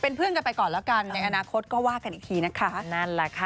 เป็นเพื่อนกันไปก่อนแล้วกันในอนาคตก็ว่ากันอีกทีนะคะ